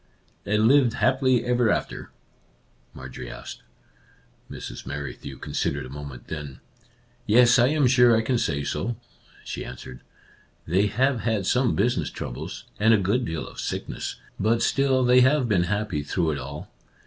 "" And lived happily ever after ?" Mar jorie asked. Mrs. Merrithew considered a moment, then :" Yes, I am sure I can say so/' she answered. cc They have had some business troubles, and a good deal of sickness, but still they have been happy through it all.